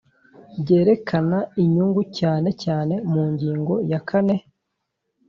Byerekana inyungu cyane cyane mu ngingo ya kane